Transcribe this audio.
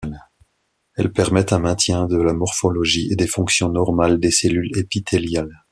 Elles permettent un maintien de la morphologie et des fonctions normales des cellules épithéliales.